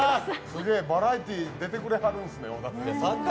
すげぇ、バラエティー出てくれるんですね。